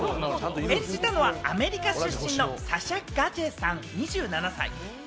演じたのはアメリカ出身のサッシャ・カジェさん、２７歳。